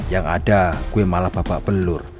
yang ada gue malah babak belur